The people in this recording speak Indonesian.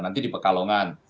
nanti di pekalongan